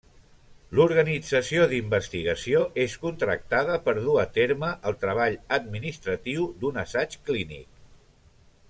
L'organització d'investigació és contractada per dur a terme el treball administratiu d'un assaig clínic.